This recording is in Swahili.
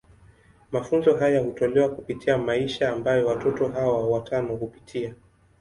Mafunzo haya hutolewa kupitia maisha ambayo watoto hawa watano hupitia.